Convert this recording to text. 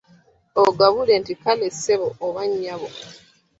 Ogabbudde nti kaale ssebo oba nnyabo.